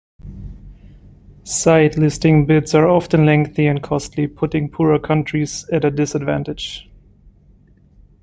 Site listing bids are often lengthy and costly putting poorer countries at a disadvantage.